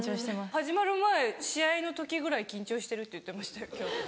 始まる前試合の時ぐらい緊張してるって言ってましたよ。